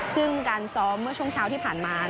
ซึ่งการซ้อมเมื่อช่วงเช้าที่ผ่านมา